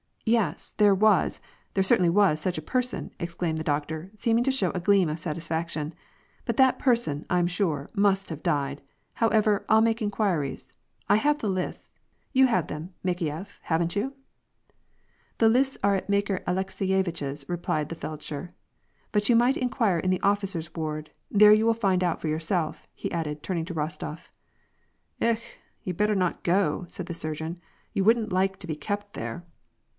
"Yes, there was, there certainly was such a person," ex claimed the doctor, seeming to show a gleam of satisfaction. "But that person, I'm sure, must have died; however, I'll make inquiries; I had the lists; you have them, Makejef, haven't you ?" "The lists are at Makar Alekseyevitch's,'* replied the feld sher. " But you might inquire in the officers' ward, there you would find out for yourself," he added, turning to Bostof. "Ekh! you'd better not go," said the surgeon. "You wouldn't like to be kept here